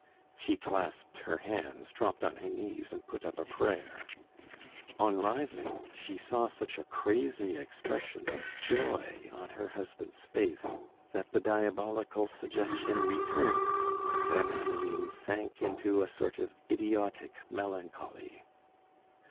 She clasped her hands, dropped on her knees, and put up a prayer. On rising, she saw such a crazy expression of joy on her husband's face, that the diabolical suggestion returned, and then Adeline sank into a sort of idiotic melancholy.